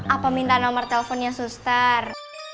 apa minta nomor teleponnya suster